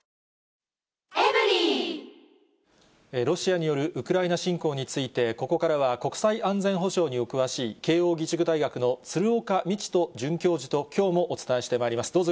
ロシアによるウクライナ侵攻について、ここからは国際安全保障にお詳しい、慶応義塾大学の鶴岡路人准教授ときょうもお伝えしてまいります。